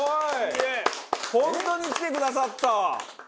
本当に来てくださった！